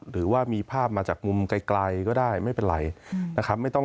หรือว่ามีภาพมาจากมุมไกลก็ได้ไม่เป็นไรนะครับ